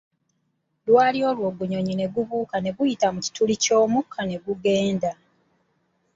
Lwali olwo ogunyonyi ne gubuuka ne guyita mu kituli ky'omukka ne gugenda.